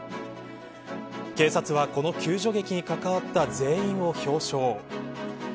警察は、この救助劇に関わった全員を表彰。